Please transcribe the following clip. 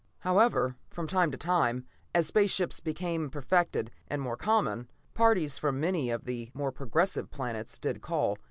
However, from time to time, as space ships became perfected and more common, parties from many of the more progressive planets did call.